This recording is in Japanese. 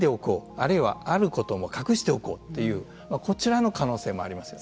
あるいはあることを隠しておこうというこちらの可能性もあります。